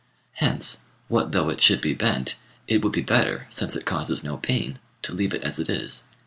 Hence, what though it should be bent, it would be better, since it causes no pain, to leave it as it is.